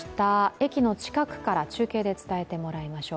駅の近くから中継で伝えてもらいましょう。